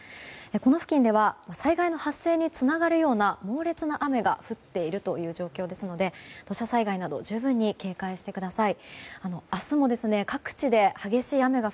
この付近では災害の発生につながるような猛烈な雨が降っているという状況ですので土砂災害など十分に警戒してください。